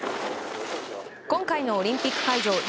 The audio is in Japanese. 今回のオリンピック会場